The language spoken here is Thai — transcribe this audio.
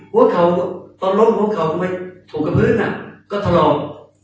หัวเข่าตอนลบหัวเข่าเข้าไปถูกกระเพื้นอ่ะก็ทะลอบ